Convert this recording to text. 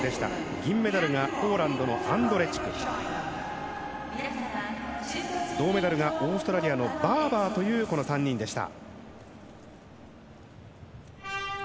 銀メダルがポーランドのアンドレチク銅メダルがオーストラリアのバーバーというこの３人でした。